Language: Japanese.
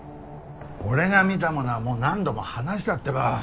俺が見たものはもう何度も話したってば。